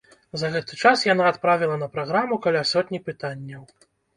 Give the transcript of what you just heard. За гэты час яна адправіла на праграму каля сотні пытанняў.